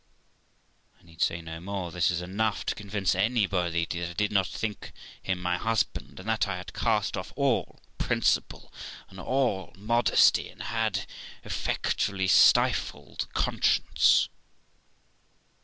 I need say no more. This is enough to convince anybody that I did not think him my husband, and that I had cast off all principle and all modesty, and had effectually stifled conscience.